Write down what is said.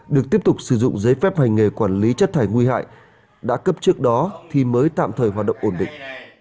được tiếp tục sử dụng giấy phép hành nghề quản lý chất thải nguy hại đã cấp trước đó thì mới tạm thời hoạt động ổn định